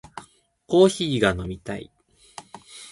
コーヒーが飲みたい